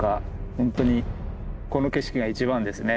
本当にこの景色が一番ですね。